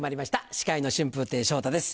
司会の春風亭昇太です